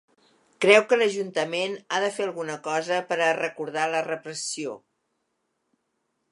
Creu que l’ajuntament ha de fer alguna cosa per a recordar la repressió.